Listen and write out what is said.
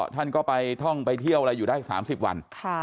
ท่านก็ต้องไปเที่ยวอยู่ได้อีก๘๐วัน